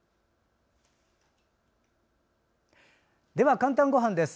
「かんたんごはん」です。